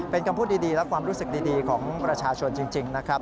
เป็นคำพูดดีและความรู้สึกดีของประชาชนจริงนะครับ